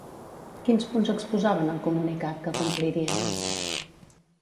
Quins punts exposaven al comunicat que complirien?